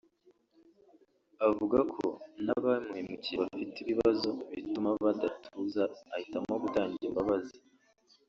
avuga ko n’abamuhemukiye bafite ibibazo bituma badatuza ahitamo gutanga imbabazi